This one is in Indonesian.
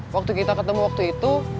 waktu kita ketemu waktu itu